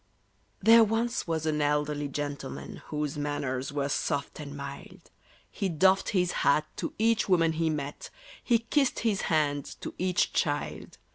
THERE once was an elderly gentleman, Whose manners were soft and mild: He doffed his hat to each woman he met, He kissed his hand to each child.